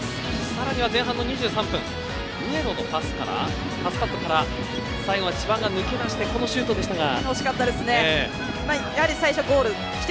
さらには前半の２３分上野のパスからパスカットから最後は千葉が抜け出してこのシュートでしたが。